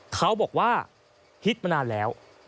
เขาบอกว่าฮิตมานานแล้ว